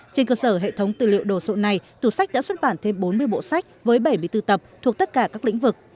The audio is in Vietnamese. trên cơ sở hệ thống tư liệu đồ sộ này tủ sách đã xuất bản thêm bốn mươi bộ sách với bảy mươi bốn tập thuộc tất cả các lĩnh vực